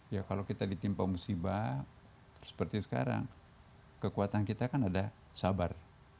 ya kalau kita ditimpa musibah seperti sekarang kekuatan kita kan ada sabar